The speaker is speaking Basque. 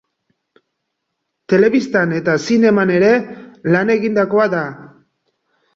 Telebistan eta zineman ere lan egindakoa da.